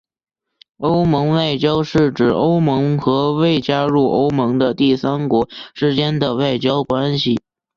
欧盟外交是指欧盟和未加入欧盟的第三国之间的外交关系。